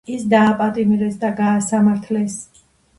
ის დააპატიმრეს და გაასამართლეს.